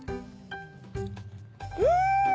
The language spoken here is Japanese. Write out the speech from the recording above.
うん！